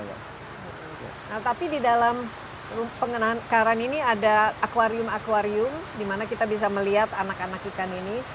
nah tapi di dalam pengenang karan ini ada aquarium aquarium di mana kita bisa melihat anak anak ikan ini